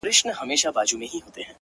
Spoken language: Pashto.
زه د ښار ښايستې لكه كمر تر ملا تړلى يم!